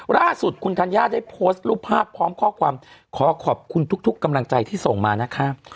ล่าสุดคุณธัญญาได้โพสต์รูปภาพพร้อมข้อความขอขอบคุณทุกกำลังใจที่ส่งมานะคะ